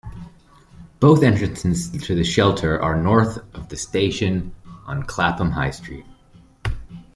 Both entrances to the shelter are north of the station on Clapham High Street.